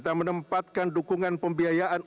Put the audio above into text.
dan menempatkan dukungan pembiayaan